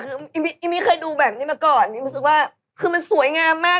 คืออิมมี่เคยดูแบบนี้มาก่อนอิมรู้สึกว่าคือมันสวยงามมาก